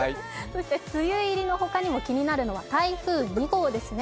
梅雨入りの他にも気になるのは台風２号ですね。